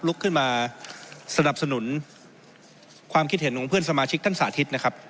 ลุกขึ้นมาสนับสนุนความคิดเห็นของเพื่อนสมาชิกท่านสาธิตนะครับ